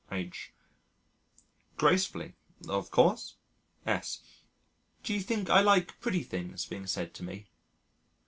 H.: "Gracefully, of course." S.: "Do you think I like pretty things being said to me?"